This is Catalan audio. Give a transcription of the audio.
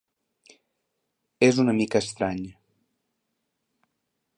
És una mica estrany.